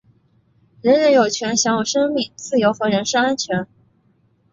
人人有权享有生命、自由和人身安全。